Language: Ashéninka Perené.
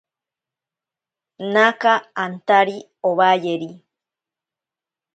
Naaka antari owayeri.